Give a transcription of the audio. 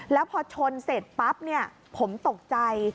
แล้วพอชนเสร็จปั๊บผมตกใจ